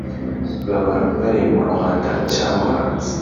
baba bari mu Rwanda cyangwa hanze